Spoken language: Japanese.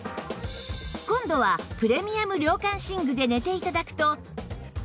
今度はプレミアム涼感寝具で寝て頂くと